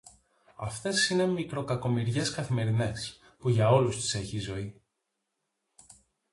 Αυτές είναι μικροκακομοιριές καθημερινές, που για όλους τις έχει η ζωή.